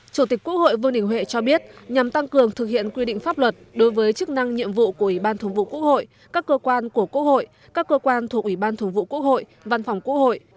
chủ tịch quốc hội vương đình huệ cho biết nhằm tăng cường thực hiện quy định pháp luật đối với chức năng nhiệm vụ của ủy ban thường vụ quốc hội các cơ quan của quốc hội các cơ quan thuộc ủy ban thường vụ quốc hội văn phòng quốc hội